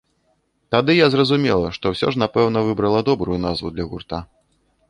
Тады я зразумела, што ўсё ж напэўна выбрала добрую назву для гурта.